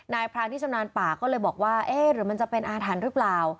พรานที่ชำนาญป่าก็เลยบอกว่าเอ๊ะหรือมันจะเป็นอาถรรพ์หรือเปล่า